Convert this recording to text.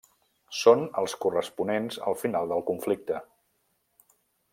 Són els corresponents al final del conflicte.